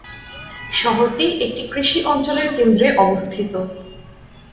শহরটি একটি কৃষি অঞ্চলের কেন্দ্রে অবস্থিত।